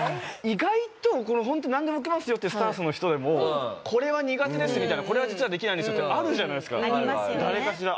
意外と本当になんでも受けますよっていうスタンスの人でもこれは苦手ですみたいなこれは実はできないんですよってあるじゃないですか誰かしら。